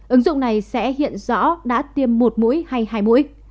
ứng dụng này sẽ hiện rõ đã tiêm một mũi hay hai mũi